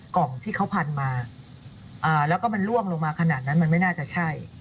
ของเขาที่เขาพันมาแล้วก็มันล่วงลงมาขนาดนั้นมันไม่น่าจะใช่